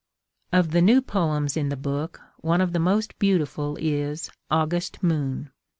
Of the new poems in the book, one of the most beautiful is August Moon.